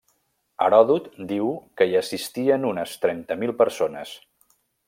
Heròdot diu que hi assistien unes trenta mil persones.